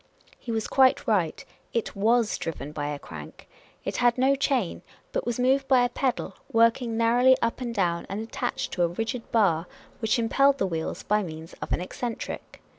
He was quite right : it was driven by a crank. It had no chain, but was moved by a pedal, work ing narrowly up and down, and attached to a rigid bar, which impelled the wheels by means of an eccentric.